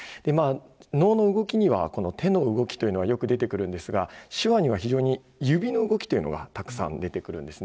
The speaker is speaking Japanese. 能の動きには、この手の動きというのはよく出てくるんですが、手話には非常に指の動きというのがたくさん出てくるんですね。